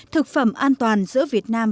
thực phẩm an toàn giữa việt nam